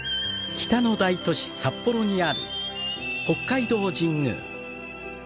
北の大都市札幌にある北海道神宮。